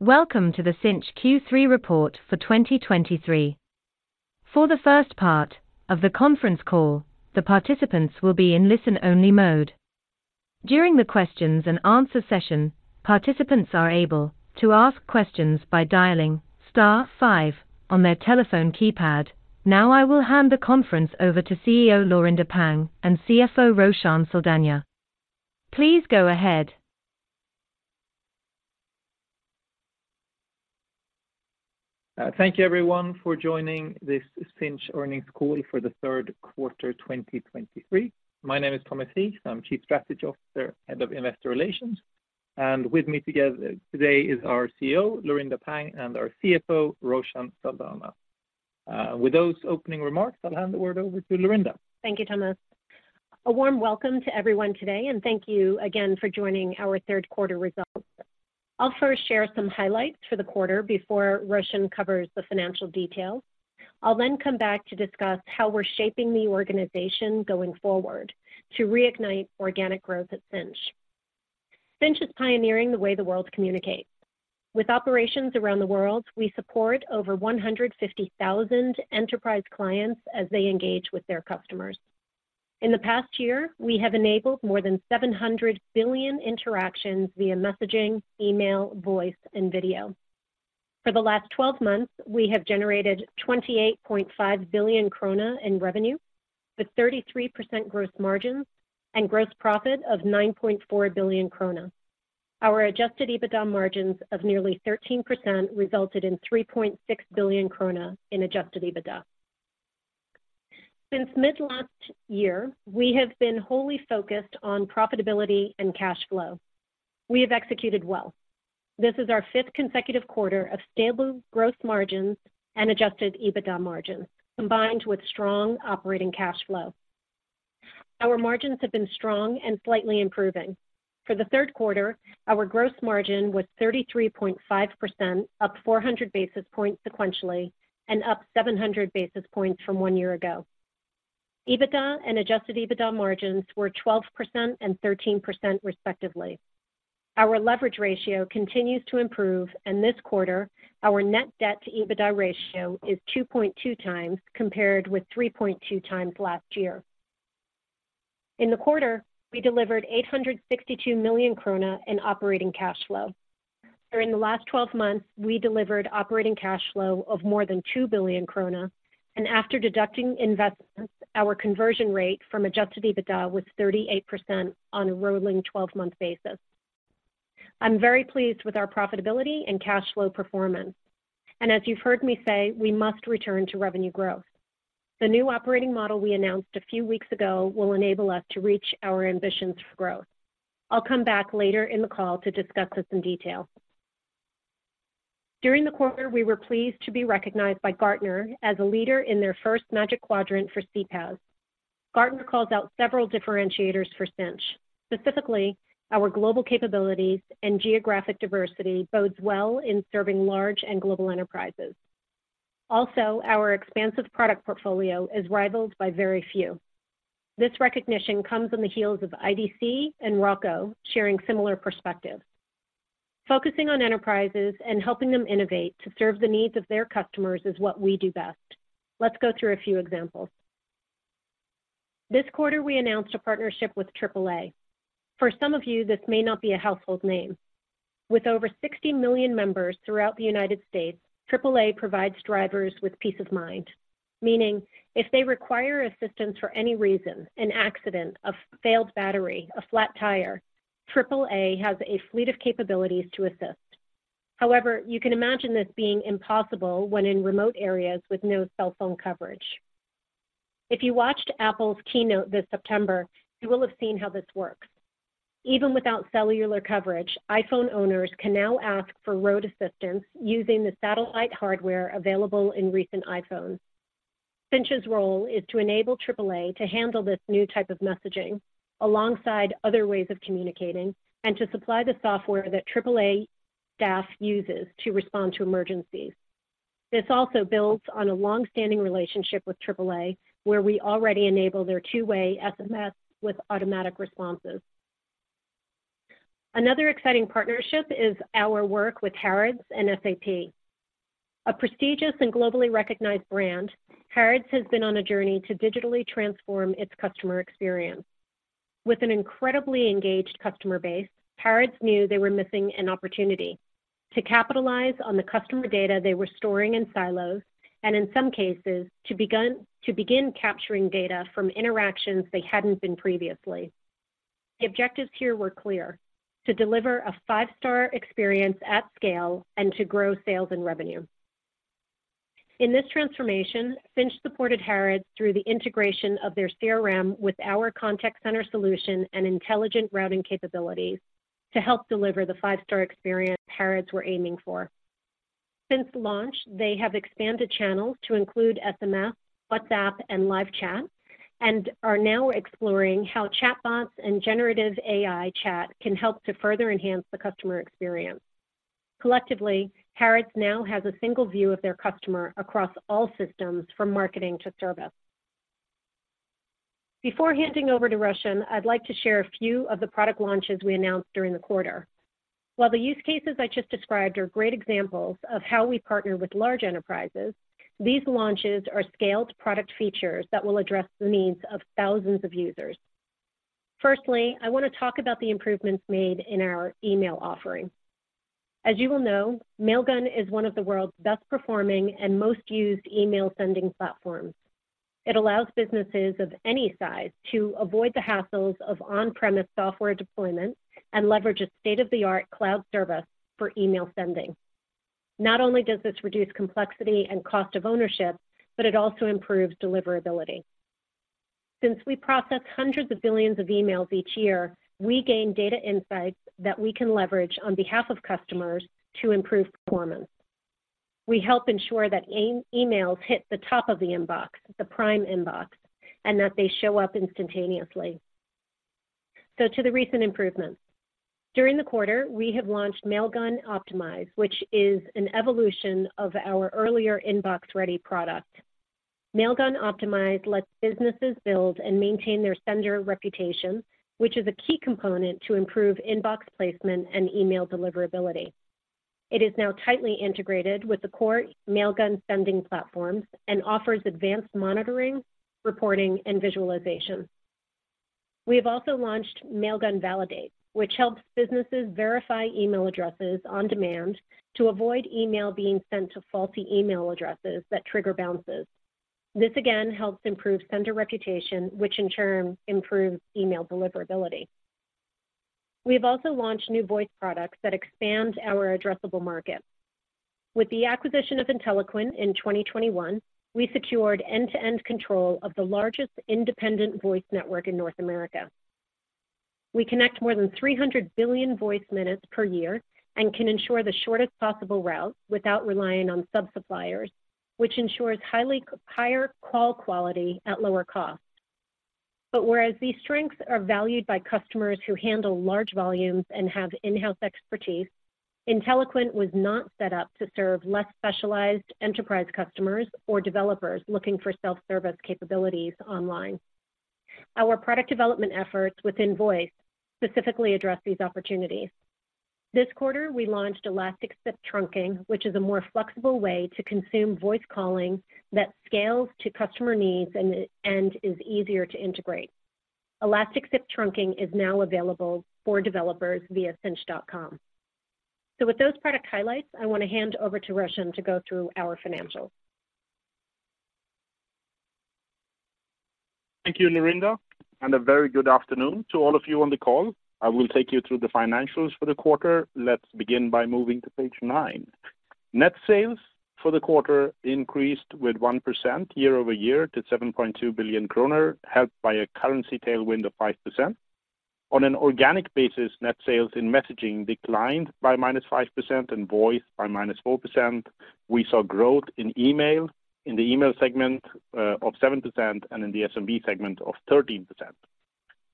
Welcome to the Sinch Q3 report for 2023. For the first part of the conference call, the participants will be in listen-only mode. During the questions and answer session, participants are able to ask questions by dialing star five on their telephone keypad. Now, I will hand the conference over to CEO Laurinda Pang and CFO Roshan Saldanha. Please go ahead. Thank you everyone for joining this Sinch earnings call for the third quarter, 2023. My name is Thomas Heath. I'm Chief Strategy Officer, Head of Investor Relations, and with me together today is our CEO, Laurinda Pang, and our CFO, Roshan Saldanha. With those opening remarks, I'll hand the word over to Laurinda. Thank you, Thomas. A warm welcome to everyone today, and thank you again for joining our third quarter results. I'll first share some highlights for the quarter before Roshan covers the financial details. I'll then come back to discuss how we're shaping the organization going forward to reignite organic growth at Sinch. Sinch is pioneering the way the world communicates. With operations around the world, we support over 150,000 enterprise clients as they engage with their customers. In the past year, we have enabled more than 700 billion interactions via messaging, email, voice, and video. For the last twelve months, we have generated 28.5 billion krona in revenue, with 33% gross margins and gross profit of 9.4 billion krona. Our Adjusted EBITDA margins of nearly 13% resulted in 3.6 billion krona in Adjusted EBITDA. Since mid-last year, we have been wholly focused on profitability and cash flow. We have executed well. This is our fifth consecutive quarter of stable gross margins and Adjusted EBITDA margins, combined with strong operating cash flow. Our margins have been strong and slightly improving. For the third quarter, our gross margin was 33.5%, up 400 basis points sequentially and up 700 basis points from one year ago. EBITDA and Adjusted EBITDA margins were 12% and 13%, respectively. Our leverage ratio continues to improve, and this quarter, our net debt to EBITDA ratio is 2.2 times, compared with 3.2 times last year. In the quarter, we delivered 862 million krona in operating cash flow. During the last 12 months, we delivered operating cash flow of more than 2 billion krona, and after deducting investments, our conversion rate from Adjusted EBITDA was 38% on a rolling 12-month basis. I'm very pleased with our profitability and cash flow performance, and as you've heard me say, we must return to revenue growth. The new operating model we announced a few weeks ago will enable us to reach our ambitions for growth. I'll come back later in the call to discuss this in detail. During the quarter, we were pleased to be recognized by Gartner as a leader in their first Magic Quadrant for CPaaS. Gartner calls out several differentiators for Sinch, specifically, our global capabilities and geographic diversity bodes well in serving large and global enterprises. Also, our expansive product portfolio is rivaled by very few. This recognition comes on the heels of IDC and ROCCO sharing similar perspectives. Focusing on enterprises and helping them innovate to serve the needs of their customers is what we do best. Let's go through a few examples. This quarter, we announced a partnership with AAA. For some of you, this may not be a household name. With over 60 million members throughout the United States, AAA provides drivers with peace of mind, meaning if they require assistance for any reason, an accident, a failed battery, a flat tire, AAA has a fleet of capabilities to assist. However, you can imagine this being impossible when in remote areas with no cell phone coverage. If you watched Apple's keynote this September, you will have seen how this works. Even without cellular coverage, iPhone owners can now ask for road assistance using the satellite hardware available in recent iPhones. Sinch's role is to enable AAA to handle this new type of messaging, alongside other ways of communicating, and to supply the software that AAA staff uses to respond to emergencies. This also builds on a long-standing relationship with AAA, where we already enable their two-way SMS with automatic responses. Another exciting partnership is our work with Harrods and SAP. A prestigious and globally recognized brand, Harrods has been on a journey to digitally transform its customer experience. With an incredibly engaged customer base, Harrods knew they were missing an opportunity to capitalize on the customer data they were storing in silos, and in some cases, to begin capturing data from interactions they hadn't been previously. The objectives here were clear: to deliver a five-star experience at scale and to grow sales and revenue. In this transformation, Sinch supported Harrods through the integration of their CRM with our contact center solution and intelligent routing capabilities to help deliver the five-star experience Harrods were aiming for. Since launch, they have expanded channels to include SMS, WhatsApp, and live chat, and are now exploring how chatbots and generative AI chat can help to further enhance the customer experience. Collectively, Harrods now has a single view of their customer across all systems from marketing to service. Before handing over to Roshan, I'd like to share a few of the product launches we announced during the quarter. While the use cases I just described are great examples of how we partner with large enterprises, these launches are scaled product features that will address the needs of thousands of users. Firstly, I want to talk about the improvements made in our email offering. As you well know, Mailgun is one of the world's best performing and most used email sending platforms. It allows businesses of any size to avoid the hassles of on-premise software deployment and leverage a state-of-the-art cloud service for email sending. Not only does this reduce complexity and cost of ownership, but it also improves deliverability. Since we process hundreds of billions of emails each year, we gain data insights that we can leverage on behalf of customers to improve performance. We help ensure that emails hit the top of the inbox, the prime inbox, and that they show up instantaneously. So, to the recent improvements. During the quarter, we have launched Mailgun Optimize, which is an evolution of our earlier InboxReady product. Mailgun Optimize lets businesses build and maintain their sender reputation, which is a key component to improve inbox placement and email deliverability. It is now tightly integrated with the core Mailgun sending platforms and offers advanced monitoring, reporting, and visualization. We have also launched Mailgun Validate, which helps businesses verify email addresses on demand to avoid email being sent to faulty email addresses that trigger bounces. This, again, helps improve sender reputation, which in turn improves email deliverability. We've also launched new voice products that expand our addressable market. With the acquisition of Inteliquent in 2021, we secured end-to-end control of the largest independent voice network in North America. We connect more than 300 billion voice minutes per year and can ensure the shortest possible route without relying on sub-suppliers, which ensures higher call quality at lower cost. But whereas these strengths are valued by customers who handle large volumes and have in-house expertise, Inteliquent was not set up to serve less specialized enterprise customers or developers looking for self-service capabilities online. Our product development efforts within voice specifically address these opportunities. This quarter, we launched Elastic SIP Trunking, which is a more flexible way to consume voice calling that scales to customer needs and is easier to integrate. Elastic SIP Trunking is now available for developers via sinch.com. So with those product highlights, I want to hand over to Roshan to go through our financials. Thank you, Laurinda, and a very good afternoon to all of you on the call. I will take you through the financials for the quarter. Let's begin by moving to page 9. Net sales for the quarter increased with 1% year-over-year to 7.2 billion kronor, helped by a currency tailwind of 5%. On an organic basis, net sales in messaging declined by -5% and voice by -4%. We saw growth in email, in the email segment, of 7%, and in the SMB segment of 13%.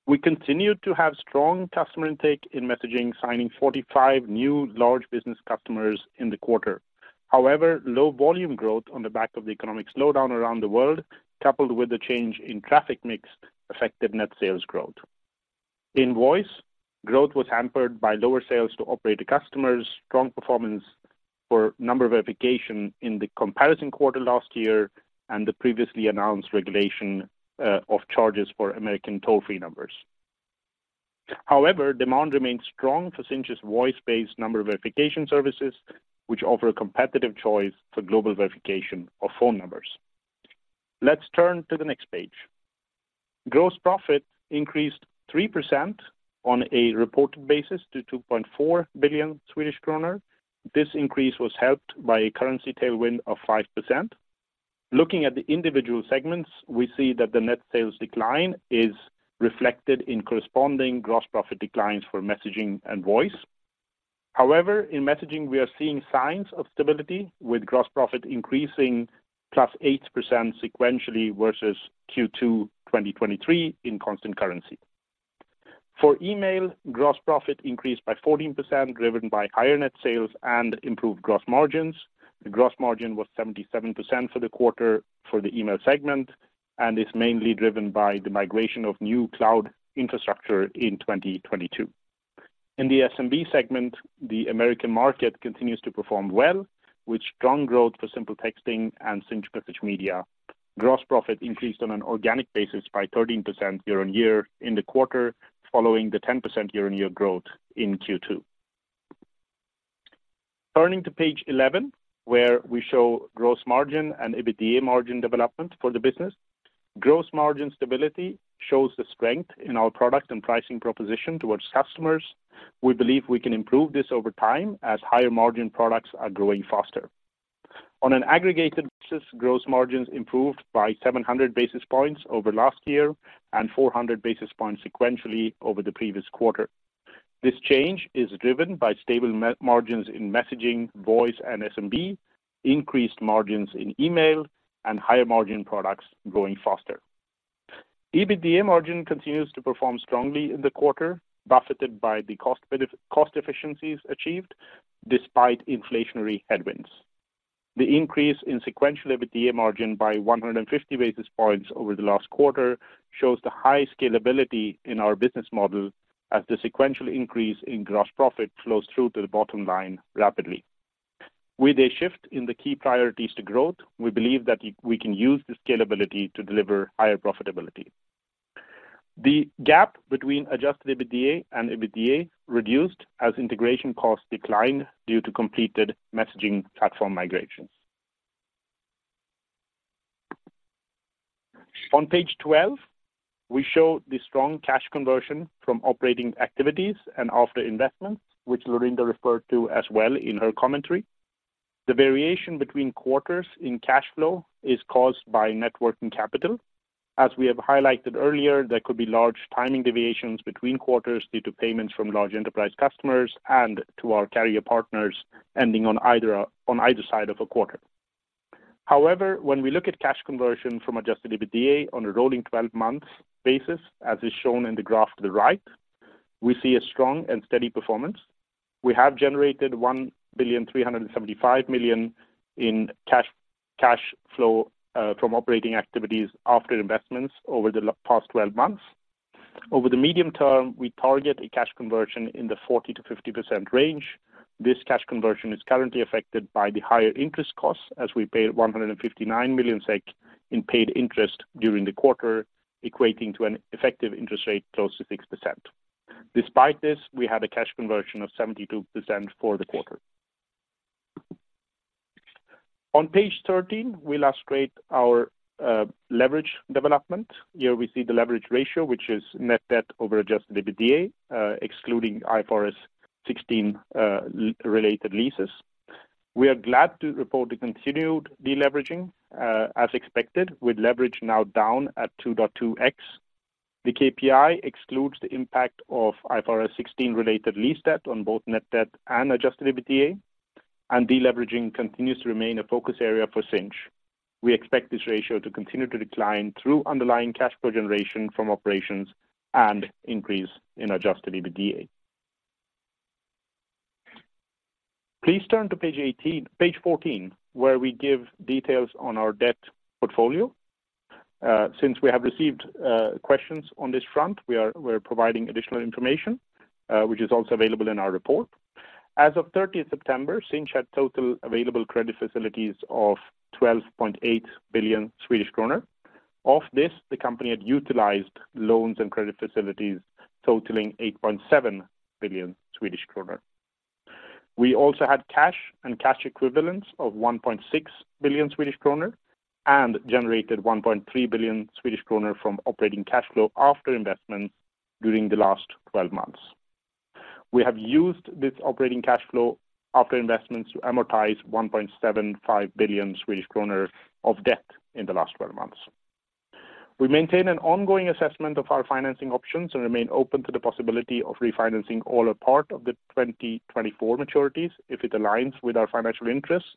We continued to have strong customer intake in messaging, signing 45 new large business customers in the quarter. However, low volume growth on the back of the economic slowdown around the world, coupled with the change in traffic mix, affected net sales growth. In voice, growth was hampered by lower sales to operator customers, strong performance for number verification in the comparison quarter last year, and the previously announced regulation of charges for American toll-free numbers. However, demand remains strong for Sinch's voice-based number verification services, which offer a competitive choice for global verification of phone numbers. Let's turn to the next page. Gross profit increased 3% on a reported basis to 2.4 billion Swedish kronor. This increase was helped by a currency tailwind of 5%. Looking at the individual segments, we see that the net sales decline is reflected in corresponding gross profit declines for messaging and voice. However, in messaging, we are seeing signs of stability, with gross profit increasing +8% sequentially versus Q2 2023 in constant currency. For email, gross profit increased by 14%, driven by higher net sales and improved gross margins. The gross margin was 77% for the quarter for the email segment, and it's mainly driven by the migration of new cloud infrastructure in 2022. In the SMB segment, the American market continues to perform well, with strong growth for SimpleTexting and Sinch MessageMedia. Gross profit increased on an organic basis by 13% year-on-year in the quarter, following the 10% year-on-year growth in Q2. Turning to page 11, where we show gross margin and EBITDA margin development for the business. Gross margin stability shows the strength in our product and pricing proposition towards customers. We believe we can improve this over time as higher-margin products are growing faster. On an aggregated basis, gross margins improved by 700 basis points over last year and 400 basis points sequentially over the previous quarter. This change is driven by stable margins in messaging, voice, and SMB, increased margins in email, and higher-margin products growing faster. EBITDA margin continues to perform strongly in the quarter, buffeted by the cost efficiencies achieved despite inflationary headwinds. The increase in sequential EBITDA margin by 150 basis points over the last quarter shows the high scalability in our business model, as the sequential increase in gross profit flows through to the bottom line rapidly. With a shift in the key priorities to growth, we believe that we can use the scalability to deliver higher profitability. The gap between Adjusted EBITDA and EBITDA reduced as integration costs declined due to completed messaging platform migrations. On page 12, we show the strong cash conversion from operating activities and after investments, which Laurinda referred to as well in her commentary. The variation between quarters in cash flow is caused by working capital. As we have highlighted earlier, there could be large timing deviations between quarters due to payments from large enterprise customers and to our carrier partners ending on either side of a quarter. However, when we look at cash conversion from Adjusted EBITDA on a rolling 12 months basis, as is shown in the graph to the right, we see a strong and steady performance. We have generated 1,375 million in cash flow from operating activities after investments over the past 12 months. Over the medium term, we target a cash conversion in the 40%-50% range. This cash conversion is currently affected by the higher interest costs as we paid 159 million SEK in paid interest during the quarter, equating to an effective interest rate close to 6%. Despite this, we had a cash conversion of 72% for the quarter. On page 13, we illustrate our leverage development. Here we see the leverage ratio, which is net debt over Adjusted EBITDA, excluding IFRS 16-related leases. We are glad to report the continued deleveraging, as expected, with leverage now down at 2.2x. The KPI excludes the impact of IFRS 16-related lease debt on both net debt and Adjusted EBITDA, and deleveraging continues to remain a focus area for Sinch. We expect this ratio to continue to decline through underlying cash flow generation from operations and increase in Adjusted EBITDA. Please turn to page eighteen- page fourteen, where we give details on our debt portfolio. Since we have received, questions on this front, we are, we're providing additional information, which is also available in our report. As of thirtieth September, Sinch had total available credit facilities of 12.8 billion Swedish kronor. Of this, the company had utilized loans and credit facilities totaling 8.7 billion Swedish kronor. We also had cash and cash equivalents of 1.6 billion Swedish kronor and generated 1.3 billion Swedish kronor from operating cash flow after investment during the last 12 months. We have used this operating cash flow after investments to amortize 1.75 billion Swedish kronor of debt in the last 12 months. We maintain an ongoing assessment of our financing options and remain open to the possibility of refinancing all or part of the 2024 maturities if it aligns with our financial interests,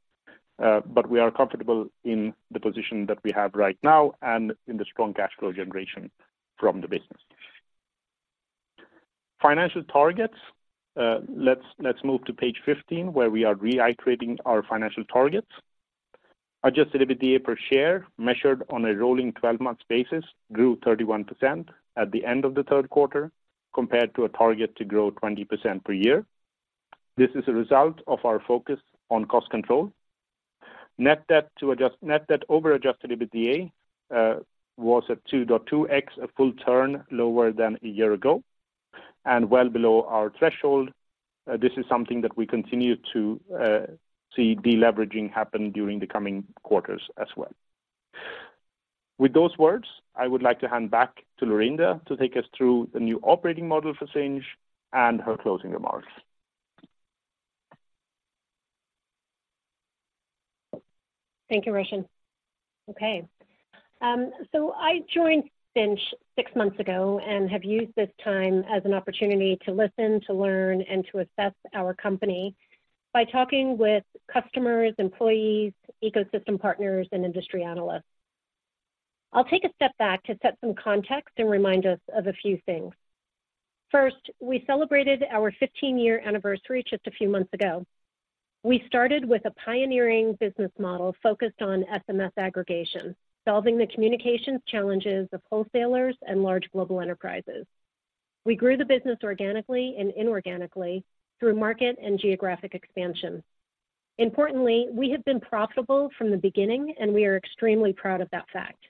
but we are comfortable in the position that we have right now and in the strong cash flow generation from the business. Financial targets. Let's, let's move to page 15, where we are reiterating our financial targets. Adjusted EBITDA per share, measured on a rolling twelve-month basis, grew 31% at the end of the third quarter, compared to a target to grow 20% per year. This is a result of our focus on cost control. Net debt to adjust-- net debt over Adjusted EBITDA, was at 2.2x, a full turn lower than a year ago, and well below our threshold. This is something that we continue to see deleveraging happen during the coming quarters as well. With those words, I would like to hand back to Laurinda to take us through the new operating model for Sinch and her closing remarks. Thank you, Roshan. Okay, so I joined Sinch six months ago and have used this time as an opportunity to listen, to learn, and to assess our company by talking with customers, employees, ecosystem partners, and industry analysts. I'll take a step back to set some context and remind us of a few things. First, we celebrated our 15-year anniversary just a few months ago. We started with a pioneering business model focused on SMS aggregation, solving the communications challenges of wholesalers and large global enterprises. We grew the business organically and inorganically through market and geographic expansion. Importantly, we have been profitable from the beginning, and we are extremely proud of that fact.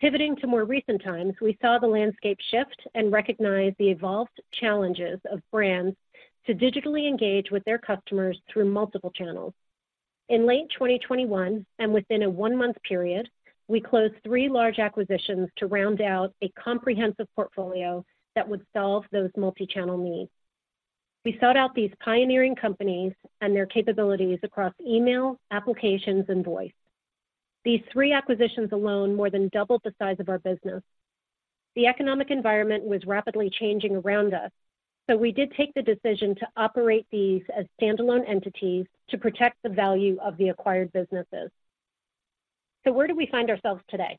Pivoting to more recent times, we saw the landscape shift and recognized the evolved challenges of brands to digitally engage with their customers through multiple channels. In late 2021, and within a one-month period, we closed 3 large acquisitions to round out a comprehensive portfolio that would solve those multi-channel needs. We sought out these pioneering companies and their capabilities across email, applications, and voice. These 3 acquisitions alone more than doubled the size of our business. The economic environment was rapidly changing around us, so we did take the decision to operate these as standalone entities to protect the value of the acquired businesses. So where do we find ourselves today?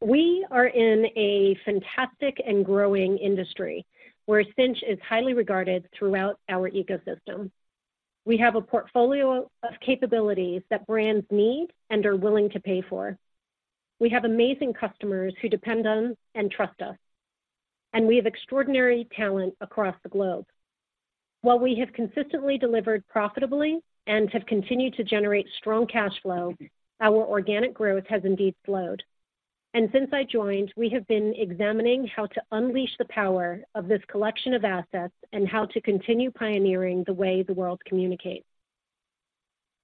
We are in a fantastic and growing industry where Sinch is highly regarded throughout our ecosystem. We have a portfolio of capabilities that brands need and are willing to pay for. We have amazing customers who depend on and trust us, and we have extraordinary talent across the globe. While we have consistently delivered profitably and have continued to generate strong cash flow, our organic growth has indeed slowed. Since I joined, we have been examining how to unleash the power of this collection of assets and how to continue pioneering the way the world communicates.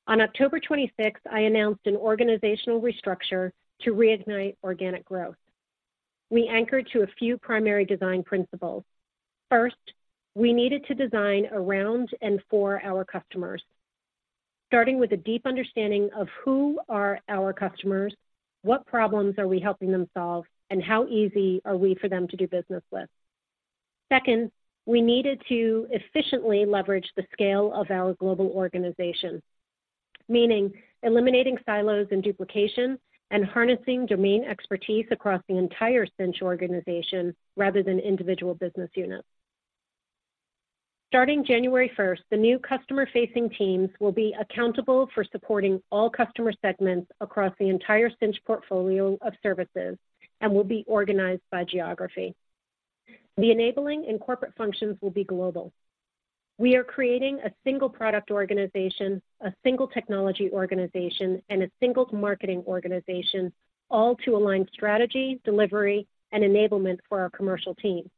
On October 26th, I announced an organizational restructure to reignite organic growth. We anchored to a few primary design principles. First, we needed to design around and for our customers, starting with a deep understanding of who are our customers, what problems are we helping them solve, and how easy are we for them to do business with? Second, we needed to efficiently leverage the scale of our global organization, meaning eliminating silos and duplication and harnessing domain expertise across the entire Sinch organization rather than individual business units. Starting January first, the new customer-facing teams will be accountable for supporting all customer segments across the entire Sinch portfolio of services and will be organized by geography. The enabling and corporate functions will be global. We are creating a single product organization, a single technology organization, and a single marketing organization, all to align strategy, delivery, and enablement for our commercial team.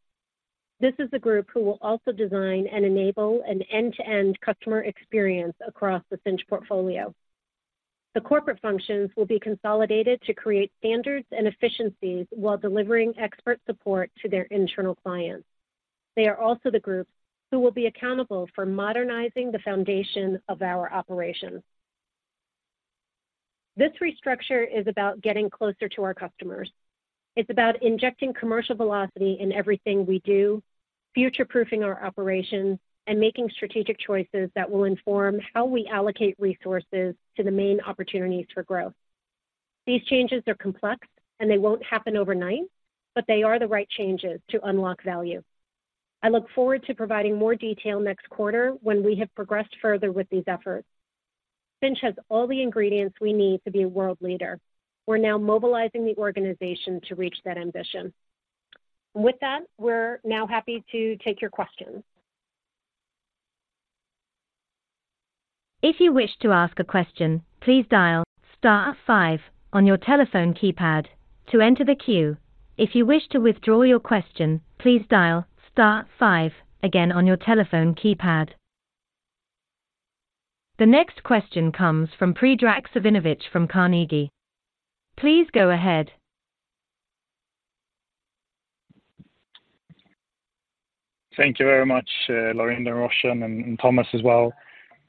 This is the group who will also design and enable an end-to-end customer experience across the Sinch portfolio. The corporate functions will be consolidated to create standards and efficiencies while delivering expert support to their internal clients. They are also the groups who will be accountable for modernizing the foundation of our operations. This restructure is about getting closer to our customers. It's about injecting commercial velocity in everything we do, future-proofing our operations, and making strategic choices that will inform how we allocate resources to the main opportunities for growth. These changes are complex and they won't happen overnight, but they are the right changes to unlock value. I look forward to providing more detail next quarter when we have progressed further with these efforts. Sinch has all the ingredients we need to be a world leader. We're now mobilizing the organization to reach that ambition. With that, we're now happy to take your questions. If you wish to ask a question, please dial star five on your telephone keypad to enter the queue. If you wish to withdraw your question, please dial star five again on your telephone keypad. The next question comes from Predrag Savinovic from Carnegie. Please go ahead. Thank you very much, Laurinda, Roshan, and Thomas as well.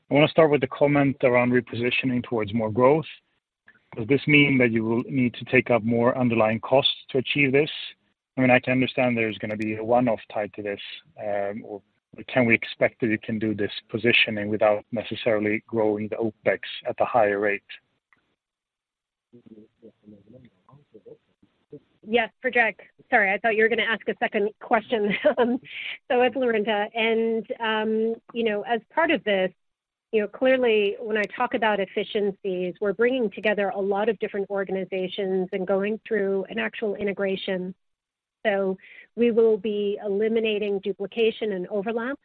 I want to start with the comment around repositioning towards more growth. Does this mean that you will need to take up more underlying costs to achieve this? I mean, I can understand there's going to be a one-off tied to this, or can we expect that you can do this positioning without necessarily growing the OpEx at a higher rate? Yes, Predrag. Sorry, I thought you were going to ask a second question. So it's Laurinda, and, you know, as part of this, you know, clearly when I talk about efficiencies, we're bringing together a lot of different organizations and going through an actual integration. So we will be eliminating duplication and overlap,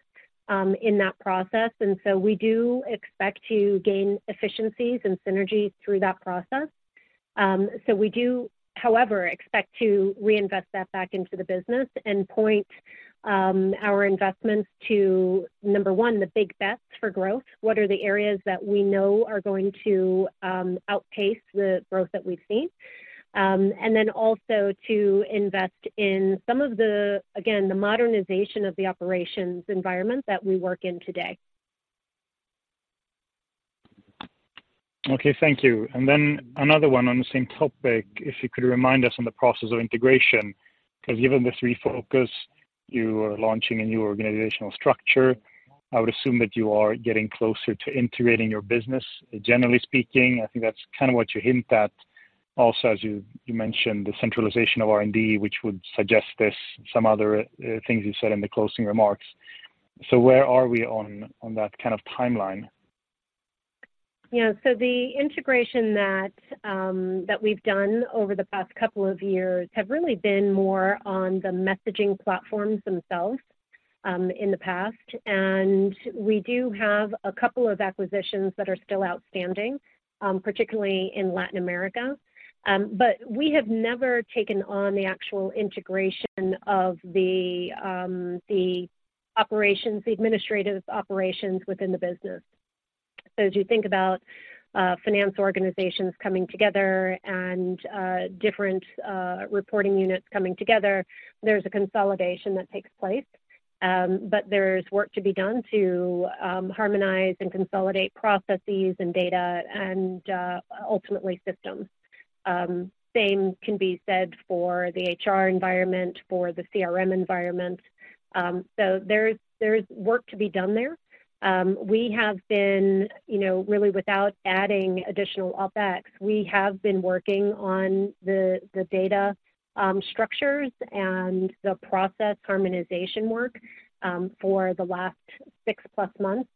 in that process, and so we do expect to gain efficiencies and synergies through that process. So we do, however, expect to reinvest that back into the business and point our investments to, number one, the big bets for growth. What are the areas that we know are going to outpace the growth that we've seen? And then also to invest in some of the, again, the modernization of the operations environment that we work in today. Okay, thank you. And then another one on the same topic. If you could remind us on the process of integration, because given this refocus, you are launching a new organizational structure, I would assume that you are getting closer to integrating your business. Generally speaking, I think that's kind of what you hint at. Also, as you mentioned, the centralization of R&D, which would suggest this, some other things you said in the closing remarks. So where are we on that kind of timeline? Yeah, so the integration that we've done over the past couple of years have really been more on the messaging platforms themselves, in the past. And we do have a couple of acquisitions that are still outstanding, particularly in Latin America. But we have never taken on the actual integration of the operations, the administrative operations within the business. So as you think about finance organizations coming together and different reporting units coming together, there's a consolidation that takes place. But there's work to be done to harmonize and consolidate processes and data and ultimately systems. Same can be said for the HR environment, for the CRM environment. So there's work to be done there. We have been, you know, really without adding additional OpEx, we have been working on the data structures and the process harmonization work for the last six plus months.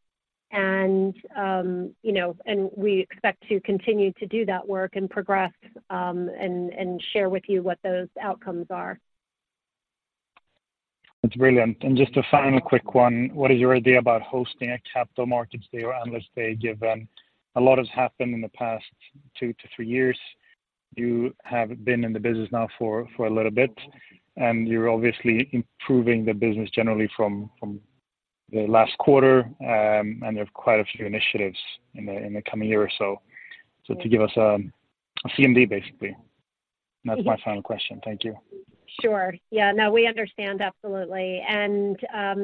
You know, we expect to continue to do that work and progress, and share with you what those outcomes are. That's brilliant. And just a final quick one: What is your idea about hosting a capital markets day or analyst day, given a lot has happened in the past 2-3 years? You have been in the business now for a little bit, and you're obviously improving the business generally from the last quarter. And there are quite a few initiatives in the coming year or so. So to give us a CMD, basically. That's my final question. Thank you. Sure. Yeah. No, we understand absolutely. And,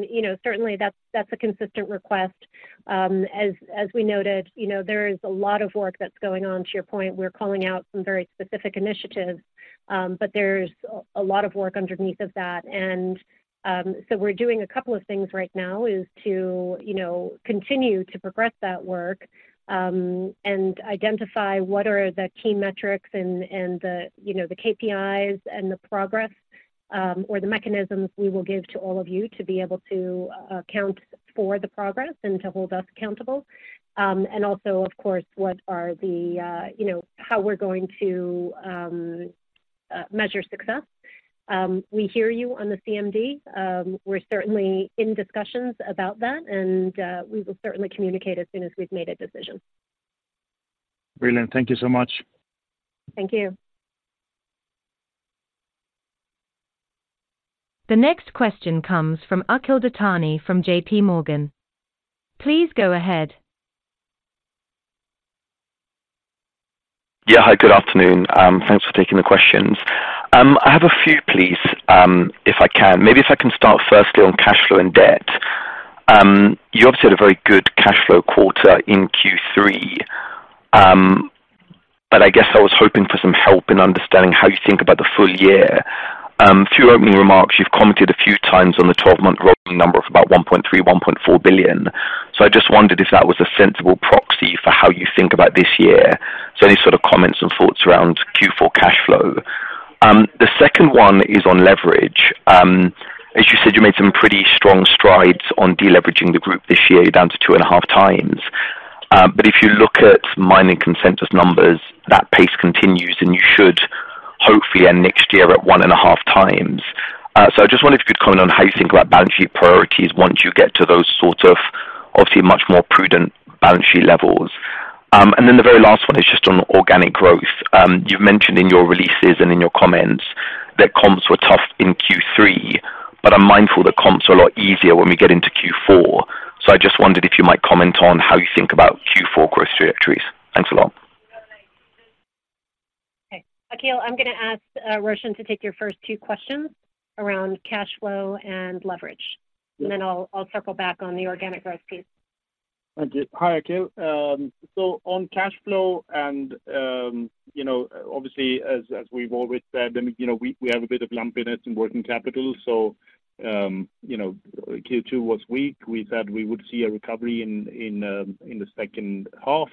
you know, certainly that's, that's a consistent request. As, as we noted, you know, there is a lot of work that's going on, to your point, we're calling out some very specific initiatives, but there's a lot of work underneath of that. And, so we're doing a couple of things right now is to, you know, continue to progress that work, and identify what are the key metrics and, and the, you know, the KPIs and the progress, or the mechanisms we will give to all of you to be able to, account for the progress and to hold us accountable. And also, of course, what are the, you know, how we're going to, measure success. We hear you on the CMD. We're certainly in discussions about that, and we will certainly communicate as soon as we've made a decision. Brilliant. Thank you so much. Thank you. The next question comes from Akhil Dattani from JPMorgan. Please go ahead. Yeah. Hi, good afternoon. Thanks for taking the questions. I have a few, please, if I can. Maybe if I can start firstly on cash flow and debt. You obviously had a very good cash flow quarter in Q3. But I guess I was hoping for some help in understanding how you think about the full year. A few opening remarks. You've commented a few times on the 12-month rolling number of about 1.3 billion-1.4 billion. So I just wondered if that was a sensible proxy for how you think about this year. So any sort of comments and thoughts around Q4 cash flow. The second one is on leverage. As you said, you made some pretty strong strides on deleveraging the group this year, down to 2.5x. But if you look at main consensus numbers, that pace continues, and you should hopefully end next year at 1.5x. So I just wondered if you could comment on how you think about balance sheet priorities once you get to those sorts of obviously much more prudent balance sheet levels. And then the very last one is just on organic growth. You've mentioned in your releases and in your comments that comps were tough in Q3, but I'm mindful that comps are a lot easier when we get into Q4. So I just wondered if you might comment on how you think about Q4 growth trajectories. Thanks a lot. Okay. Akhil, I'm gonna ask Roshan to take your first two questions around cash flow and leverage, and then I'll circle back on the organic growth piece. Thank you. Hi, Akhil. So on cash flow and, you know, obviously, as we've always said, and, you know, we have a bit of lumpiness in working capital, so, you know, Q2 was weak. We said we would see a recovery in the second half.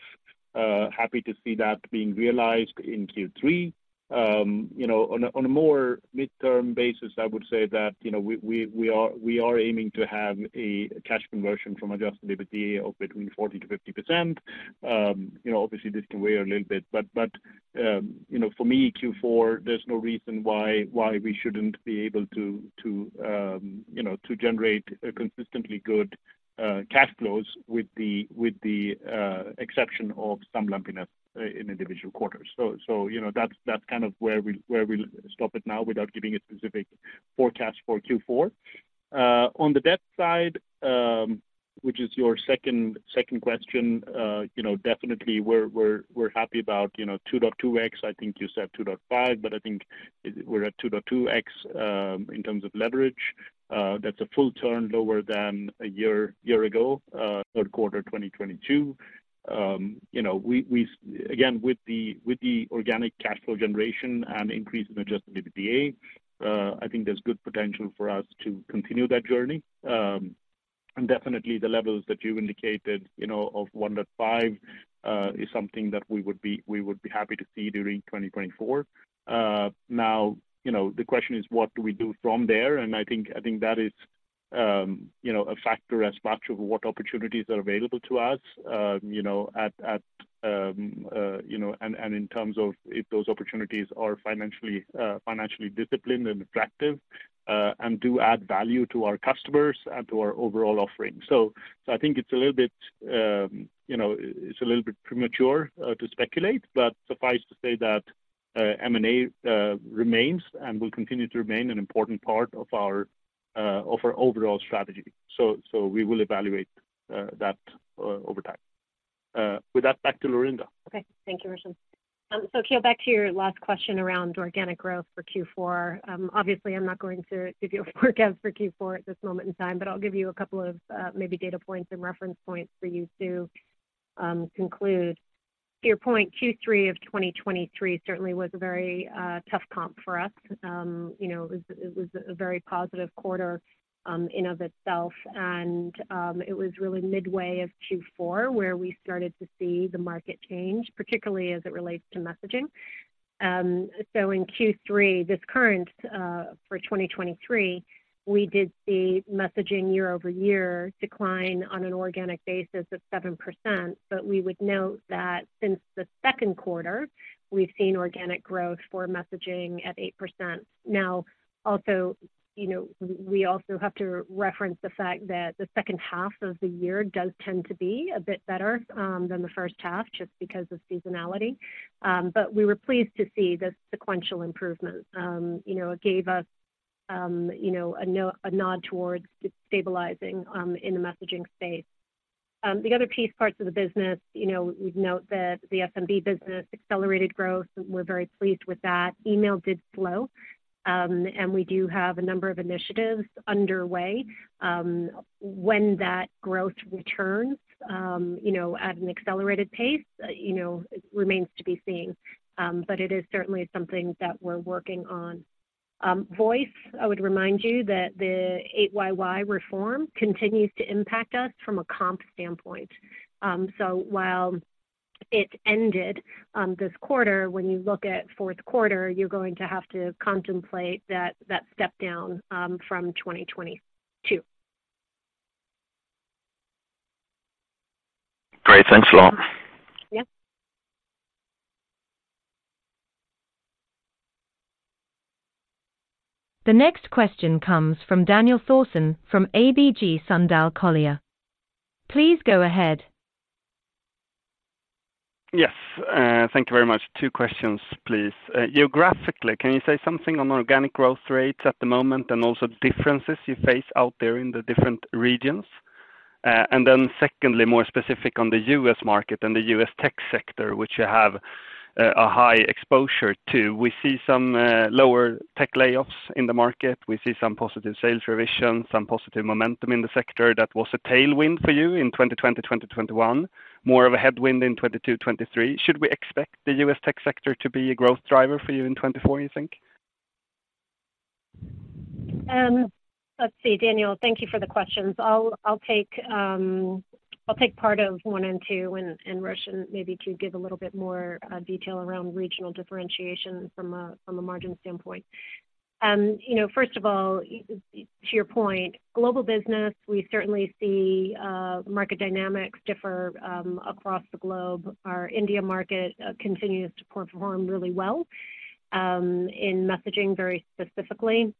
Happy to see that being realized in Q3. You know, on a more midterm basis, I would say that, you know, we are aiming to have a cash conversion from Adjusted EBITDA of between 40%-50%. You know, obviously, this can vary a little bit, but, you know, for me, Q4, there's no reason why we shouldn't be able to, you know, to generate a consistently good cash flows with the exception of some lumpiness in individual quarters. So, you know, that's kind of where we stop it now without giving a specific forecast for Q4. On the debt side, which is your second question, you know, definitely we're happy about, you know, 2.2x. I think you said 2.5, but I think we're at 2.2x in terms of leverage. That's a full turn lower than a year ago third quarter 2022. You know, we again, with the organic cash flow generation and increase in Adjusted EBITDA, I think there's good potential for us to continue that journey. And definitely the levels that you indicated, you know, of 1.5, is something that we would be happy to see during 2024. Now, you know, the question is: What do we do from there? And I think that is, you know, a factor as much of what opportunities are available to us, you know, at, you know, and in terms of if those opportunities are financially disciplined and attractive, and do add value to our customers and to our overall offering. So, I think it's a little bit, you know, it's a little bit premature to speculate, but suffice to say that M&A remains and will continue to remain an important part of our overall strategy. So, we will evaluate that over time. With that, back to Laurinda. Okay. Thank you, Roshan. So Akhil, back to your last question around organic growth for Q4. Obviously, I'm not going to give you a forecast for Q4 at this moment in time, but I'll give you a couple of maybe data points and reference points for you to conclude. To your point, Q3 of 2023 certainly was a very tough comp for us. You know, it was, it was a very positive quarter in of itself, and it was really midway of Q4 where we started to see the market change, particularly as it relates to messaging. So in Q3, this current for 2023, we did see messaging year-over-year decline on an organic basis of 7%, but we would note that since the second quarter, we've seen organic growth for messaging at 8%. Now, also, you know, we, we also have to reference the fact that the second half of the year does tend to be a bit better than the first half, just because of seasonality. But we were pleased to see the sequential improvement. You know, it gave us, you know, a nod towards stabilizing in the messaging space. The other piece, parts of the business, you know, we'd note that the SMB business accelerated growth, and we're very pleased with that. Email did slow, and we do have a number of initiatives underway. When that growth returns, you know, at an accelerated pace, you know, it remains to be seen, but it is certainly something that we're working on. Voice, I would remind you that the 8YY reform continues to impact us from a comp standpoint. So while it ended this quarter, when you look at fourth quarter, you're going to have to contemplate that step down from 2022. Great. Thanks a lot. Yeah. The next question comes from Daniel Thorsson from ABG Sundal Collier. Please go ahead. Yes, thank you very much. Two questions, please. Geographically, can you say something on organic growth rates at the moment, and also differences you face out there in the different regions? And then secondly, more specific on the U.S. market and the U.S. tech sector, which you have a high exposure to. We see some lower tech layoffs in the market. We see some positive sales revisions, some positive momentum in the sector. That was a tailwind for you in 2020, 2021. More of a headwind in 2022, 2023. Should we expect the U.S. tech sector to be a growth driver for you in 2024, you think? Let's see, Daniel, thank you for the questions. I'll take part of one and two, and Roshan, maybe to give a little bit more detail around regional differentiation from a margin standpoint. You know, first of all, to your point, global business, we certainly see market dynamics differ across the globe. Our India market continues to perform really well in messaging very specifically.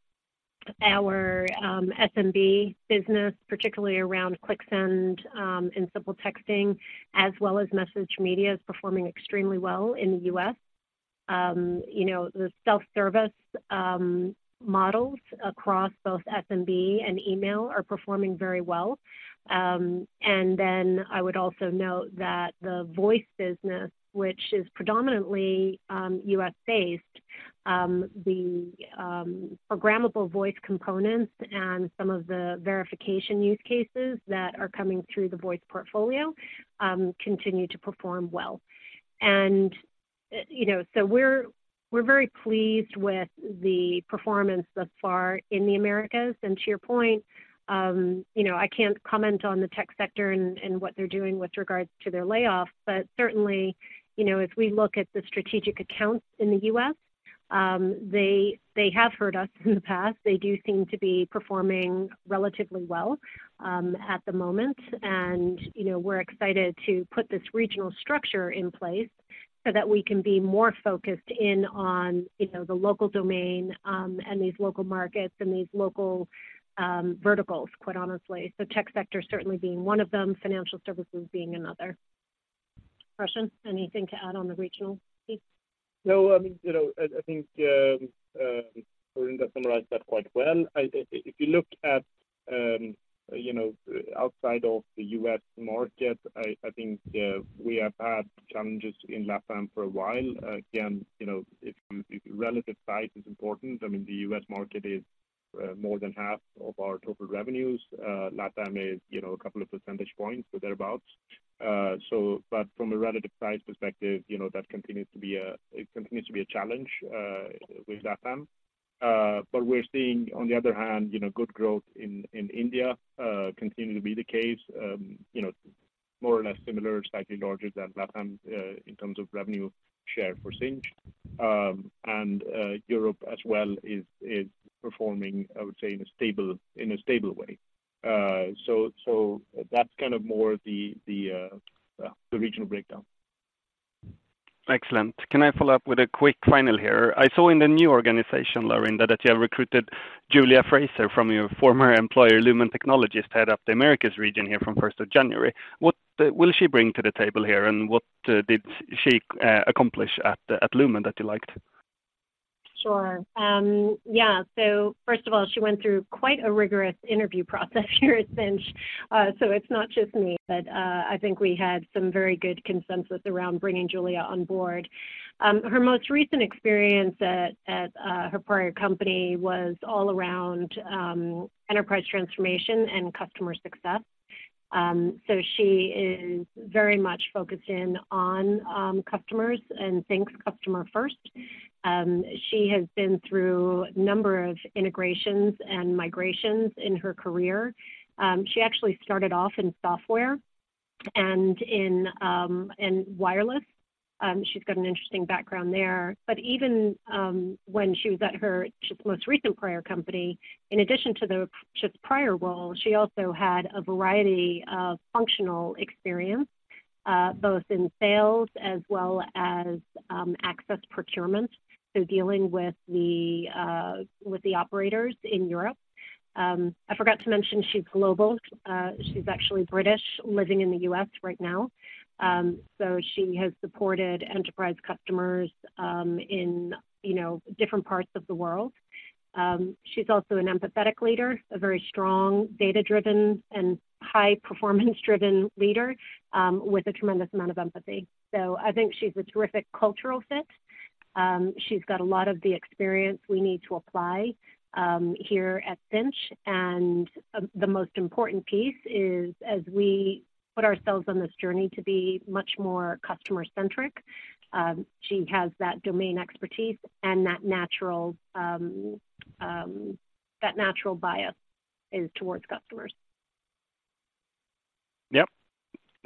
Our SMB business, particularly around ClickSend, and SimpleTexting, as well as MessageMedia, is performing extremely well in the U.S. You know, the self-service models across both SMB and email are performing very well. And then I would also note that the voice business, which is predominantly U.S.-based, the programmable voice components and some of the verification use cases that are coming through the voice portfolio, continue to perform well. You know, so we're very pleased with the performance thus far in the Americas. And to your point, you know, I can't comment on the tech sector and what they're doing with regards to their layoffs, but certainly, you know, if we look at the strategic accounts in the U.S., they have heard us in the past. They do seem to be performing relatively well at the moment. You know, we're excited to put this regional structure in place so that we can be more focused in on, you know, the local domain, and these local markets and these local, verticals, quite honestly. Tech sector certainly being one of them, financial services being another. Roshan, anything to add on the regional piece? No, I mean, you know, I think Laurinda summarized that quite well. If you look at, you know, outside of the U.S. market, I think we have had challenges in LATAM for a while. Again, you know, if relative size is important, I mean, the U.S. market is more than half of our total revenues. LATAM is, you know, a couple of percentage points or thereabout. So but from a relative size perspective, you know, that continues to be a... it continues to be a challenge with LATAM. But we're seeing, on the other hand, you know, good growth in India continue to be the case, you know, more or less similar, slightly larger than LATAM, in terms of revenue share for Sinch. And Europe as well is performing, I would say, in a stable way. So that's kind of more the regional breakdown. Excellent. Can I follow up with a quick final here? I saw in the new organization, Laurinda, that you have recruited Julia Fraser from your former employer, Lumen Technologies, to head up the Americas region here from first of January. What will she bring to the table here, and what did she accomplish at Lumen that you liked? Sure. Yeah. So first of all, she went through quite a rigorous interview process here at Sinch, so it's not just me, but, I think we had some very good consensus around bringing Julia on board. Her most recent experience at her prior company was all around enterprise transformation and customer success. So she is very much focused in on customers and thinks customer first. She has been through a number of integrations and migrations in her career. She actually started off in software and in wireless. She's got an interesting background there. But even when she was at her just most recent prior company, in addition to the just prior role, she also had a variety of functional experience, both in sales as well as access procurement, so dealing with the with the operators in Europe. I forgot to mention, she's global. She's actually British, living in the U.S. right now. So she has supported enterprise customers, in, you know, different parts of the world. She's also an empathetic leader, a very strong data-driven and high performance-driven leader, with a tremendous amount of empathy. So I think she's a terrific cultural fit. She's got a lot of the experience we need to apply here at Sinch, and the most important piece is as we put ourselves on this journey to be much more customer-centric, she has that domain expertise and that natural bias towards customers. Yep.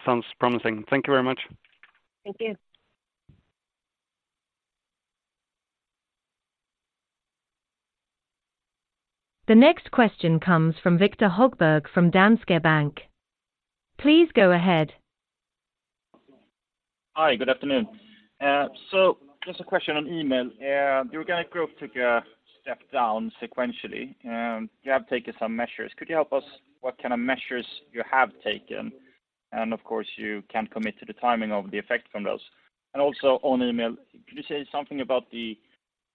Sounds promising. Thank you very much. Thank you. The next question comes from Viktor Högberg from Danske Bank. Please go ahead. Hi, good afternoon. So just a question on email. The organic growth took a step down sequentially, and you have taken some measures. Could you help us, what kind of measures you have taken? And of course, you can't commit to the timing of the effect from those. And also on email, could you say something about the,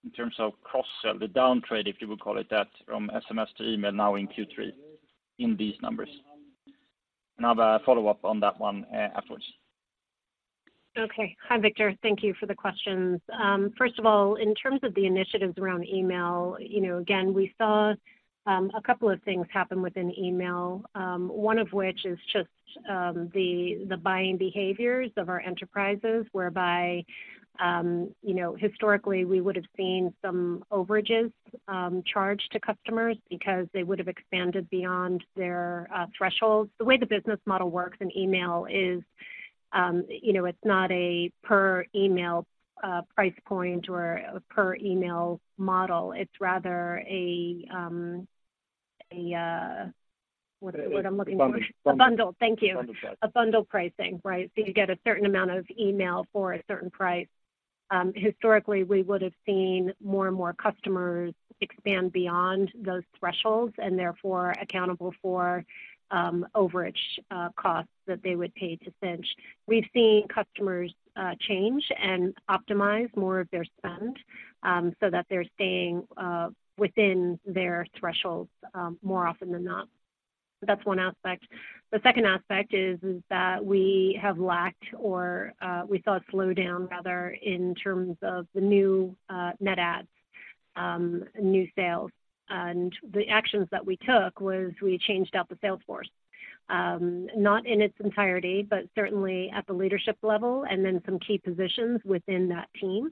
in terms of cross-sell, the downtrade, if you would call it that, from SMS to email now in Q3 in these numbers? And I have a follow-up on that one, afterwards. Okay. Hi, Viktor. Thank you for the questions. First of all, in terms of the initiatives around email, you know, again, we saw a couple of things happen within email, one of which is just the buying behaviors of our enterprises, whereby, you know, historically, we would have seen some overages charged to customers because they would have expanded beyond their thresholds. The way the business model works in email is, you know, it's not a per email price point or a per email model. It's rather a, a, what I'm looking for? A bundle. A bundle. Thank you. Bundle price. A bundle pricing, right? So you get a certain amount of email for a certain price. Historically, we would have seen more and more customers expand beyond those thresholds and therefore accountable for overage costs that they would pay to Sinch. We've seen customers change and optimize more of their spend so that they're staying within their thresholds more often than not. That's one aspect. The second aspect is that we have lacked or we saw a slowdown, rather, in terms of the new net adds, new sales. And the actions that we took was we changed out the sales force, not in its entirety, but certainly at the leadership level and then some key positions within that team.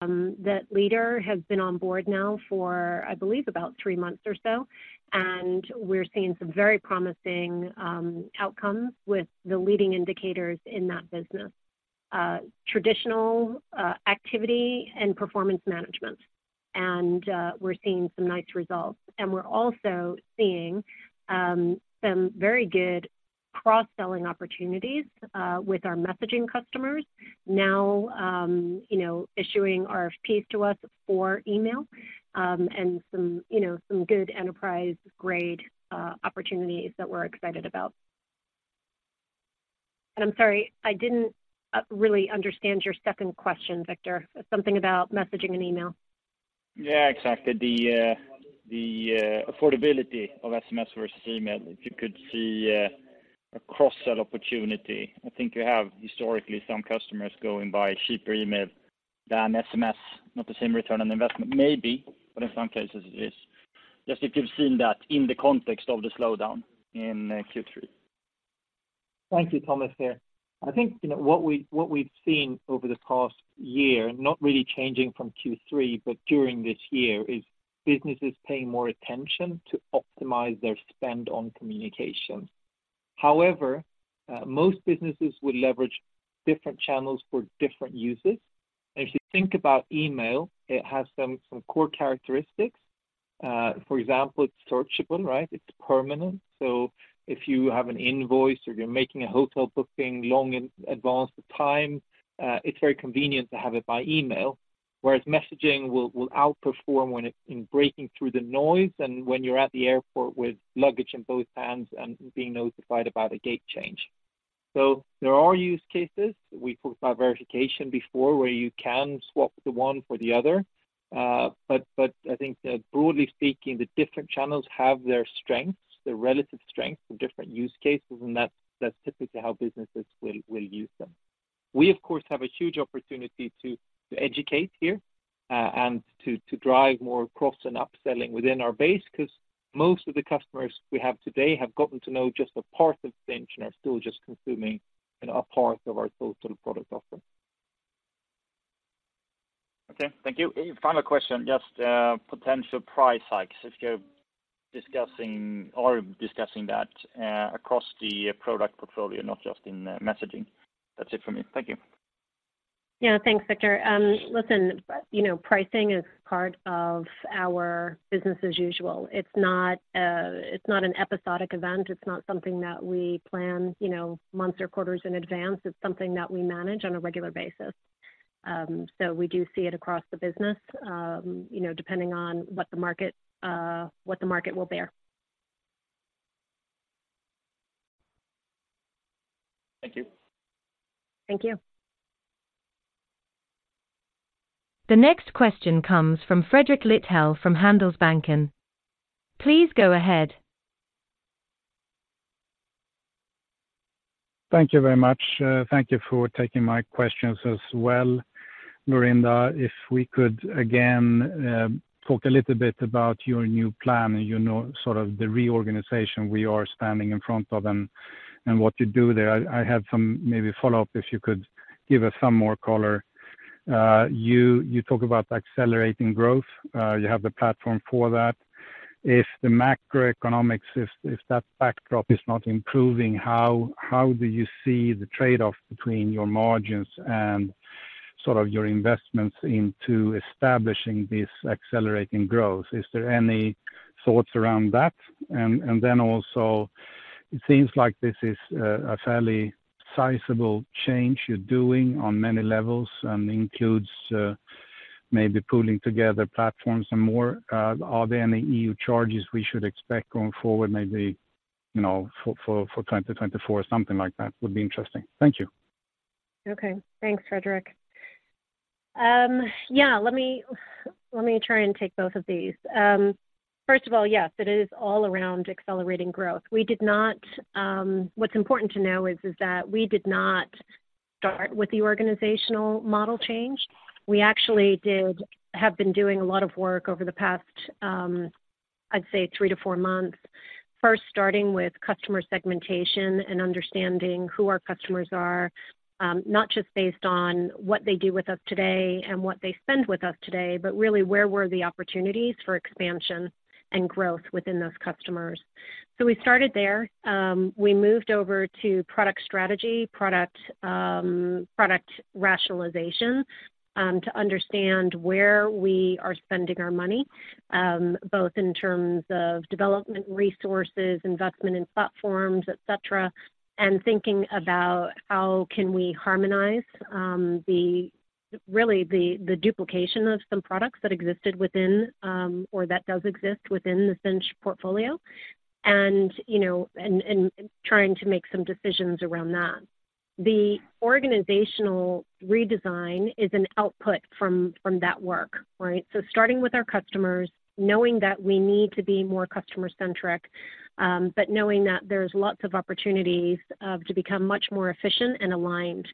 That leader has been on board now for, I believe, about three months or so, and we're seeing some very promising outcomes with the leading indicators in that business. Traditional activity and performance management, and we're seeing some nice results. And we're also seeing some very good cross-selling opportunities with our messaging customers now, you know, issuing RFPs to us for email, and some, you know, some good enterprise-grade opportunities that we're excited about. And I'm sorry, I didn't really understand your second question, Viktor. Something about messaging and email. Yeah, exactly. The affordability of SMS versus email, if you could see a cross-sell opportunity. I think you have historically some customers going by cheaper email than SMS, not the same return on investment, maybe, but in some cases it is. Just if you've seen that in the context of the slowdown in Q3. Thank you, Thomas, here. I think, you know, what we, what we've seen over the past year, not really changing from Q3, but during this year, is businesses paying more attention to optimize their spend on communication. However, most businesses would leverage different channels for different uses. If you think about email, it has some, some core characteristics. For example, it's searchable, right? It's permanent. So if you have an invoice or you're making a hotel booking long in advance of time, it's very convenient to have it by email, whereas messaging will, will outperform when it's in breaking through the noise and when you're at the airport with luggage in both hands and being notified about a gate change. So there are use cases. We talked about verification before, where you can swap the one for the other. But I think that broadly speaking, the different channels have their strengths, their relative strengths for different use cases, and that's typically how businesses will use them. We, of course, have a huge opportunity to educate here and to drive more cross and upselling within our base, because most of the customers we have today have gotten to know just a part of Sinch and are still just consuming, you know, a part of our total product offering. Okay, thank you. Final question, just potential price hikes, if you're discussing or discussing that across the product portfolio, not just in messaging. That's it for me. Thank you. Yeah, thanks, Viktor. Listen, you know, pricing is part of our business as usual. It's not, it's not an episodic event. It's not something that we plan, you know, months or quarters in advance. It's something that we manage on a regular basis. So we do see it across the business, you know, depending on what the market, what the market will bear. Thank you. Thank you. The next question comes from Fredrik Lithell from Handelsbanken. Please go ahead. Thank you very much. Thank you for taking my questions as well, Laurinda. If we could, again, talk a little bit about your new plan and, you know, sort of the reorganization we are standing in front of and what you do there. I have some maybe follow-up, if you could give us some more color. You talk about accelerating growth, you have the platform for that. If the macroeconomics, if that backdrop is not improving, how do you see the trade-off between your margins and sort of your investments into establishing this accelerating growth? Is there any thoughts around that? And then also, it seems like this is a fairly sizable change you're doing on many levels and includes maybe pooling together platforms and more. Are there any EO charges we should expect going forward, maybe, you know, for 2024? Something like that would be interesting. Thank you. Okay. Thanks, Fredrik. Yeah, let me, let me try and take both of these. First of all, yes, it is all around accelerating growth. We did not, what's important to know is that we did not start with the organizational model change. We actually have been doing a lot of work over the past, I'd say 3-4 months. First, starting with customer segmentation and understanding who our customers are, not just based on what they do with us today and what they spend with us today, but really, where were the opportunities for expansion and growth within those customers. So we started there. We moved over to product strategy, product rationalization, to understand where we are spending our money, both in terms of development resources, investment in platforms, et cetera, and thinking about how can we harmonize really the duplication of some products that existed within or that does exist within the Sinch portfolio, and you know and trying to make some decisions around that. The organizational redesign is an output from that work, right? So starting with our customers, knowing that we need to be more customer-centric, but knowing that there's lots of opportunities to become much more efficient and aligned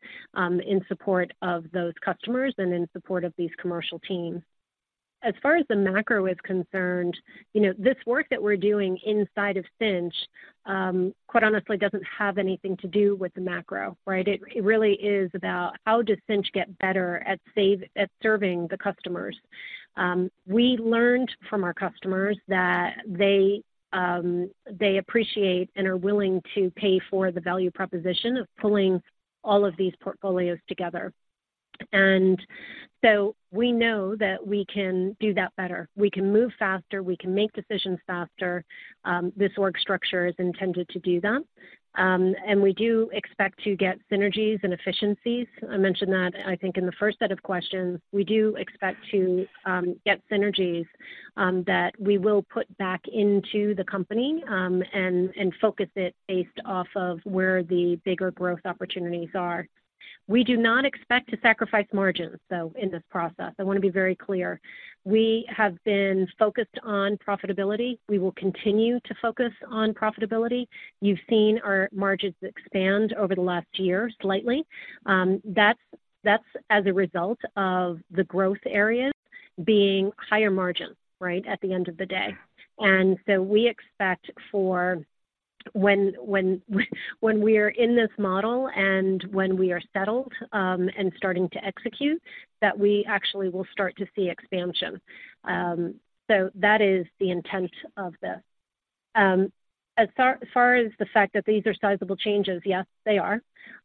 in support of those customers and in support of these commercial teams. As far as the macro is concerned, you know, this work that we're doing inside of Sinch, quite honestly, doesn't have anything to do with the macro, right? It really is about how does Sinch get better at serving the customers. We learned from our customers that they appreciate and are willing to pay for the value proposition of pulling all of these portfolios together. So we know that we can do that better. We can move faster, we can make decisions faster. This org structure is intended to do that. And we do expect to get synergies and efficiencies. I mentioned that, I think, in the first set of questions. We do expect to get synergies that we will put back into the company and focus it based off of where the bigger growth opportunities are. We do not expect to sacrifice margins, though, in this process. I want to be very clear. We have been focused on profitability. We will continue to focus on profitability. You've seen our margins expand over the last year, slightly. That's as a result of the growth areas being higher margin, right, at the end of the day. And so we expect for when we are in this model and when we are settled and starting to execute, that we actually will start to see expansion. So that is the intent of this. As far as the fact that these are sizable changes, yes, they are.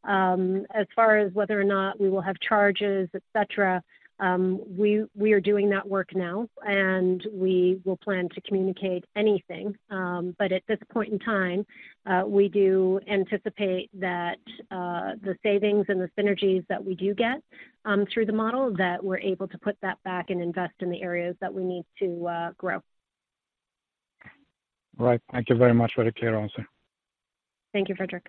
As far as whether or not we will have charges, et cetera, we are doing that work now, and we will plan to communicate anything. But at this point in time, we do anticipate that the savings and the synergies that we do get through the model, that we're able to put that back and invest in the areas that we need to grow. Right. Thank you very much for the clear answer. Thank you, Fredrik.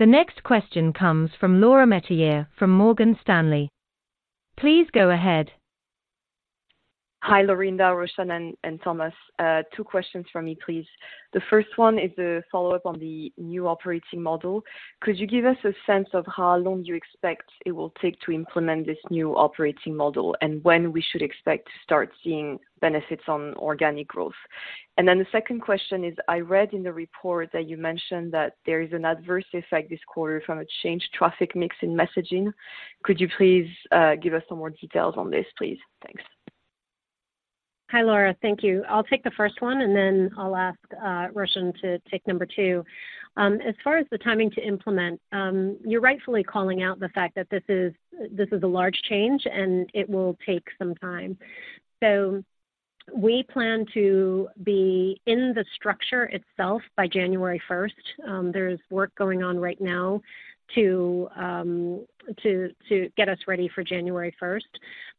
The next question comes from Laura Metayer from Morgan Stanley. Please go ahead. Hi, Laurinda, Roshan, and Thomas. Two questions from me, please. The first one is a follow-up on the new operating model. Could you give us a sense of how long you expect it will take to implement this new operating model, and when we should expect to start seeing benefits on organic growth? And then the second question is, I read in the report that you mentioned that there is an adverse effect this quarter from a change traffic mix in messaging. Could you please give us some more details on this, please? Thanks. Hi, Laura. Thank you. I'll take the first one, and then I'll ask Roshan to take number two. As far as the timing to implement, you're rightfully calling out the fact that this is, this is a large change, and it will take some time. So we plan to be in the structure itself by January first. There's work going on right now to get us ready for January first.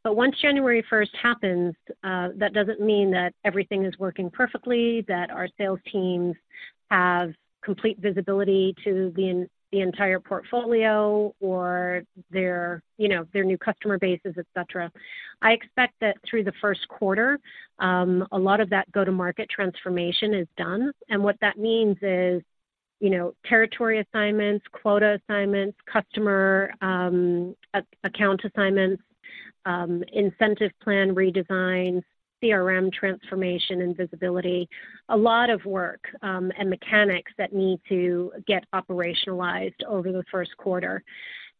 But once January first happens, that doesn't mean that everything is working perfectly, that our sales teams have complete visibility to the entire portfolio or their, you know, their new customer bases, et cetera. I expect that through the first quarter, a lot of that go-to-market transformation is done, and what that means is, you know, territory assignments, quota assignments, customer, account assignments, incentive plan redesign, CRM transformation and visibility. A lot of work, and mechanics that need to get operationalized over the first quarter.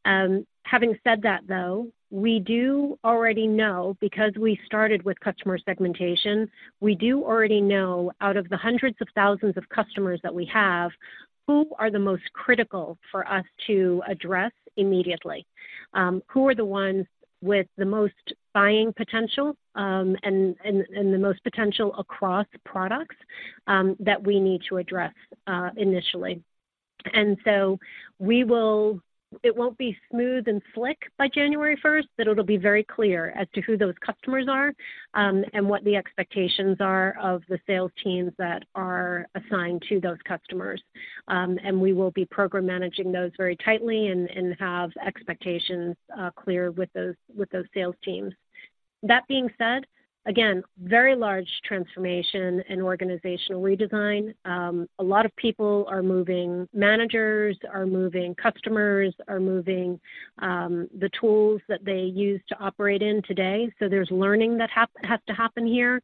Having said that, though, we do already know, because we started with customer segmentation, we do already know out of the hundreds of thousands of customers that we have, who are the most critical for us to address immediately? Who are the ones with the most buying potential, and the most potential across products, that we need to address, initially? So we will - it won't be smooth and slick by January first, but it'll be very clear as to who those customers are, and what the expectations are of the sales teams that are assigned to those customers. And we will be program managing those very tightly and have expectations clear with those sales teams. That being said, again, very large transformation and organizational redesign. A lot of people are moving, managers are moving, customers are moving, the tools that they use to operate in today. So there's learning that has to happen here.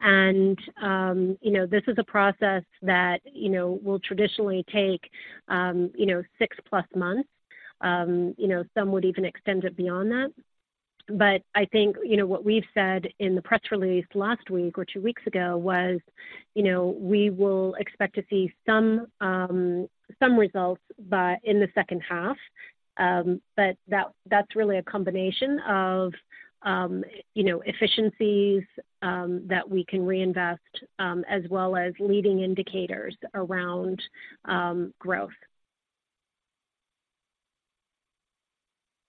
And you know, this is a process that you know will traditionally take you know six plus months. You know, some would even extend it beyond that. But I think, you know, what we've said in the press release last week or two weeks ago was, you know, we will expect to see some results by in the second half. But that, that's really a combination of, you know, efficiencies, that we can reinvest, as well as leading indicators around, growth.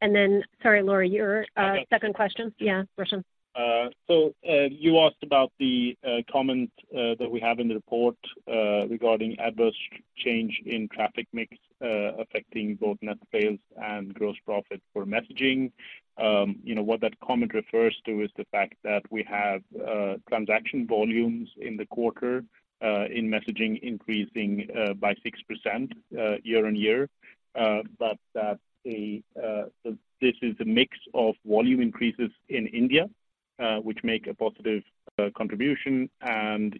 And then, sorry, Laura, your,- Okay. Second question? Yeah, Roshan. So, you asked about the comment that we have in the report regarding adverse change in traffic mix affecting both net sales and gross profit for messaging. You know, what that comment refers to is the fact that we have transaction volumes in the quarter in messaging increasing by 6% year-on-year. So this is a mix of volume increases in India, which make a positive contribution and,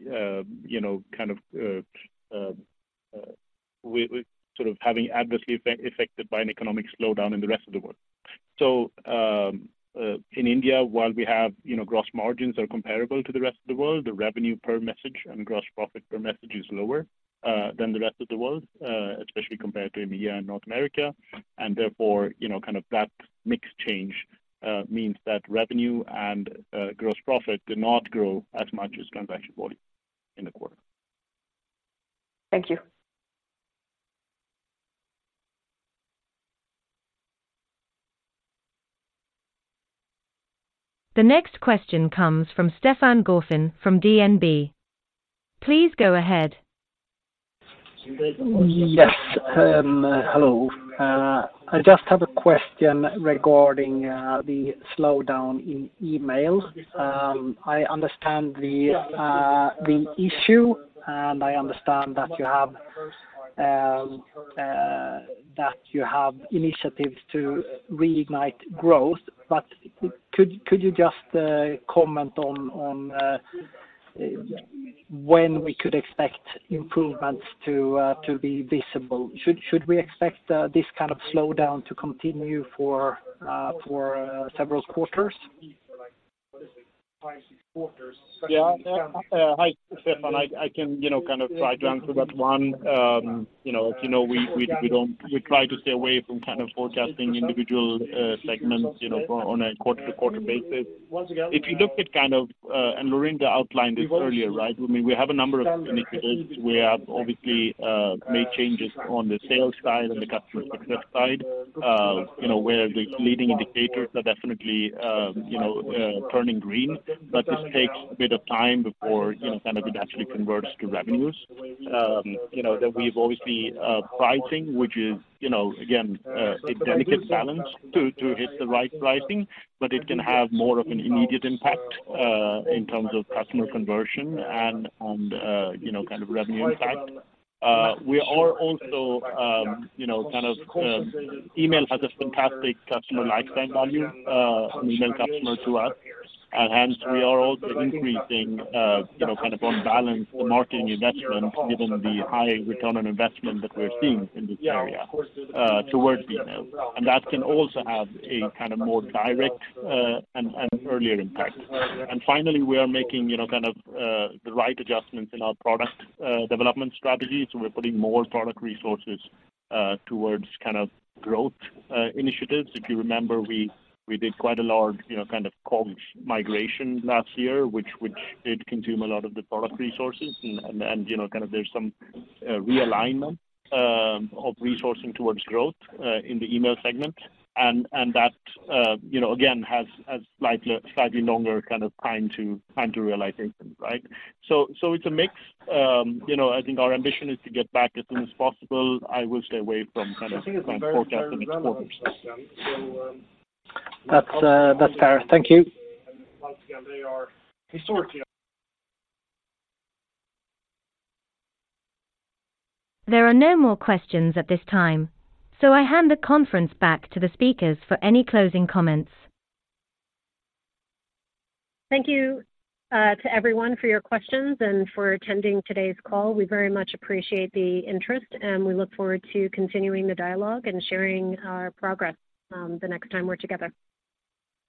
you know, kind of, we sort of having adversely affected by an economic slowdown in the rest of the world. So, in India, while we have, you know, gross margins are comparable to the rest of the world, the revenue per message and gross profit per message is lower than the rest of the world, especially compared to EMEA and North America. And therefore, you know, kind of that mix change means that revenue and gross profit did not grow as much as transaction volume in the quarter. Thank you. The next question comes from Stefan Gauffin from DNB. Please go ahead. Yes, hello. I just have a question regarding the slowdown in email. I understand the issue, and I understand that you have initiatives to reignite growth, but could you just comment on when we could expect improvements to be visible? Should we expect this kind of slowdown to continue for several quarters? Yeah, hi, Stefan. I can, you know, kind of try to answer that one. You know, if you know, we don't-- we try to stay away from kind of forecasting individual segments, you know, on a quarter-to-quarter basis. If you looked at kind of, and Laurinda outlined this earlier, right? I mean, we have a number of initiatives. We have obviously made changes on the sales side and the customer success side, you know, where the leading indicators are definitely turning green. But this takes a bit of time before, you know, kind of it actually converts to revenues. You know, that we've always been pricing, which is, you know, again, a delicate balance to hit the right pricing, but it can have more of an immediate impact in terms of customer conversion and you know, kind of revenue impact. We are also you know, kind of email has a fantastic customer lifetime value, an email customer to us... And hence we are also increasing you know, kind of on balance, the marketing investment, given the high return on investment that we're seeing in this area towards email. And that can also have a kind of more direct and earlier impact. And finally, we are making you know, kind of the right adjustments in our product development strategy. So we're putting more product resources towards kind of growth initiatives. If you remember, we did quite a large, you know, kind of comms migration last year, which did consume a lot of the product resources. And, you know, kind of there's some realignment of resourcing towards growth in the email segment. And that, you know, again, has slightly longer kind of time to realization, right? So it's a mix. You know, I think our ambition is to get back as soon as possible. I will stay away from kind of forecasting the next quarters. That's, that's fair. Thank you. There are no more questions at this time, so I hand the conference back to the speakers for any closing comments. Thank you, to everyone for your questions and for attending today's call. We very much appreciate the interest, and we look forward to continuing the dialogue and sharing our progress, the next time we're together.